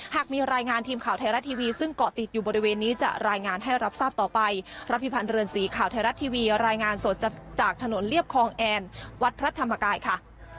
หากมีรายงานทีมข่าวไทยรัฐทีวีซึ่งเกาะติดอยู่บริเวณนี้จะรายงานให้รับทราบต่อไปรับพิพันธ์เรือนสีข่าวไทยรัฐทีวีรายงานสดจากถนนเรียบคลองแอนวัดพระธรรมกายค่ะ